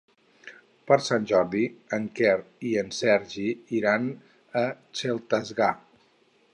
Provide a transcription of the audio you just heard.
Per Sant Jordi en Quer i en Sergi aniran a Xestalgar.